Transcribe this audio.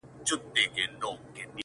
• مُلا پاچا دی طالب ښاغلی -